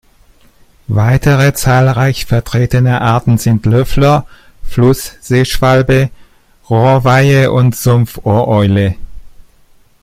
Weitere zahlreich vertretene Arten sind Löffler, Fluss-Seeschwalbe, Rohrweihe und Sumpfohreule.